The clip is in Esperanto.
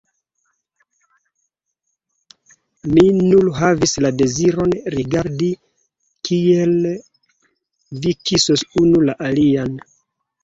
Mi nur havis la deziron rigardi, kiel vi kisos unu la alian.